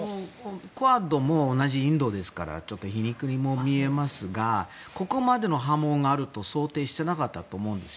クアッドも同じインドですからちょっと皮肉にも見えますがここまでの波紋があると想定していなかったと思うんです。